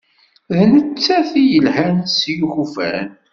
D nettat i d-yelhan s yikufan.